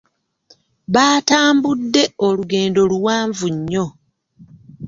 Baatambudde olugendo luwanvu nnyo.